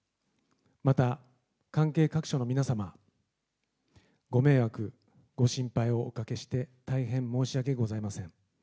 また関係各所の皆様、ご迷惑、ご心配をおかけして大変申し訳ございません。